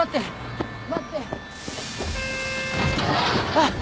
あっ！